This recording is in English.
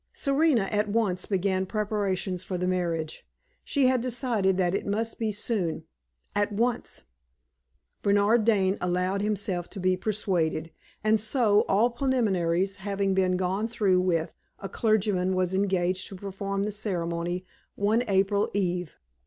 Serena at once began preparations for the marriage. She had decided that it must be soon at once. Bernard Dane allowed himself to be persuaded; and so, all preliminaries having been gone through with, a clergyman was engaged to perform the ceremony one April eve.